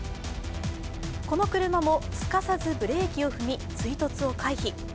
この車も、すかさずブレーキを踏み追突を回避。